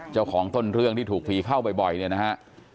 เจ้าของต้นเรื่องที่ถูกผีเข้าบ่อยเนี่ยนะฮะ